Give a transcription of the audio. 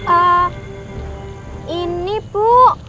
eh ini bu